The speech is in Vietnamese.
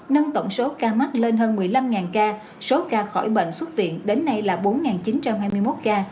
nâng tổng số ca mắc lên hơn một mươi năm ca số ca khỏi bệnh xuất viện đến nay là bốn chín trăm hai mươi một ca